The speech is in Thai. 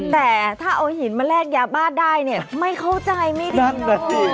แต่ถ้าเอาหินมาแลกยาบ้าได้เนี่ยไม่เข้าใจไม่ได้